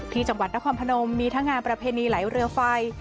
ที่จังหวัดนครพนมมีทั้งงานประเพณีไหลเรือไฟ